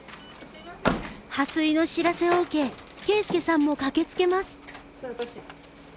破水の知らせを受け啓介さんも駆けつけます。